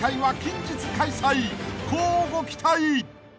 ［乞うご期待！］